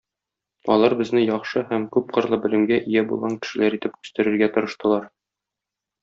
Алар безне яхшы һәм күпкырлы белемгә ия булган кешеләр итеп үстерергә тырыштылар.